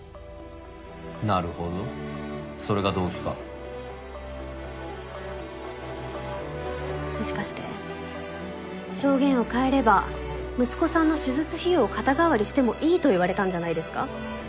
なるほどそれが動機かもしかして証言を変えれば息子さんの手術費用を肩代わりしてもいいと言われたんじゃないですか？